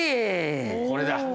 これだ。